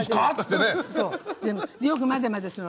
よく混ぜ混ぜするの。